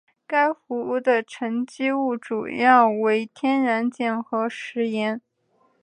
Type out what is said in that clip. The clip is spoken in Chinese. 该湖的沉积物主要为天然碱和石盐。